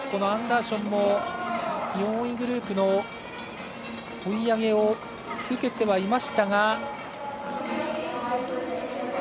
アンダーションも４位グループの追い上げを受けてはいましたが。